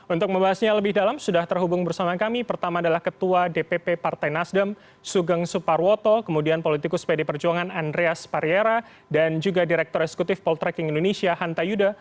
untuk membahasnya lebih dalam sudah terhubung bersama kami pertama adalah ketua dpp partai nasdem sugeng suparwoto kemudian politikus pd perjuangan andreas pariera dan juga direktur eksekutif poltreking indonesia hanta yuda